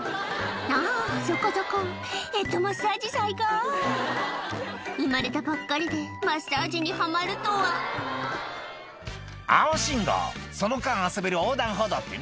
「あそこそこヘッドマッサージ最高」生まれたばっかりでマッサージにハマるとは「青信号その間遊べる横断歩道ってね」